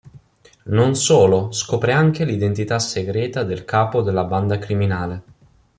Non solo: scopre anche l'identità segreta del capo della banda criminale.